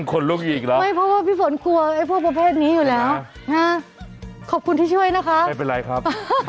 คนลุกอีกแล้วไม่เพราะว่าพี่ฝนกลัวไอ้พวกประเภทนี้อยู่แล้วนะขอบคุณที่ช่วยนะคะไม่เป็นไรครับ